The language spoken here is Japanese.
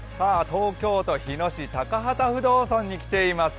東京都日野市高幡不動尊に来ています。